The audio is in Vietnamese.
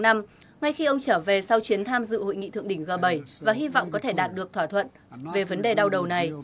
năm ngay khi ông trở về sau chuyến tham dự hội nghị thượng đỉnh g bảy và hy vọng có thể đạt được thỏa thuận về vấn đề đau đầu này